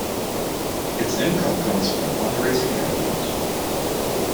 Its income comes from fundraising and events.